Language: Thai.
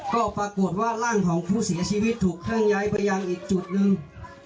ก็ปรากฏว่าร่างของผู้เสียชีวิตถูกเคลื่อนย้ายไปยังอีกจุดหนึ่ง